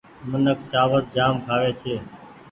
منک چآوڙ جآم کآوي ڇي ۔